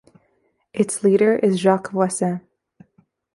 Its leader is Jacques Voisin.